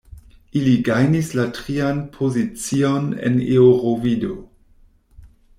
Ili gajnis la trian pozicion en Eŭrovido.